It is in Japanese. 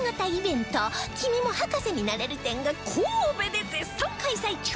「君も博士になれる展」が神戸で絶賛開催中